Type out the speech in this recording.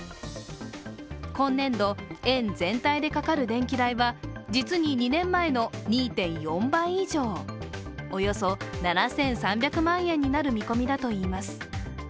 今年度、園全体でかかる電気代は実に２年前の２．４倍以上およそ７３００万円になる見込みだといいます。